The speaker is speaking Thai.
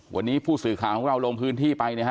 วันนี้ผู้สื่อของเรางลงพื้นที่ไป